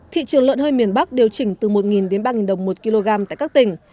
thị trường lợn hơi miền bắc điều chỉnh từ một đến ba đồng một kg tại các tỉnh